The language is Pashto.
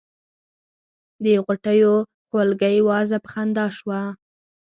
د غوټیو خولګۍ وازه په خندا شوه.